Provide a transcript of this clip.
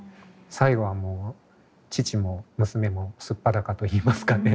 最後はもう父も娘も素っ裸といいますかね